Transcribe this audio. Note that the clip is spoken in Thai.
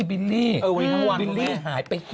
เออบิลลี่ห่ายไปอยู่ไหนเออทัวรอ่ะคุณแม่